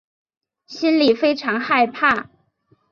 心里非常害怕